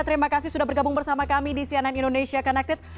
terima kasih sudah bergabung bersama kami di cnn indonesia connected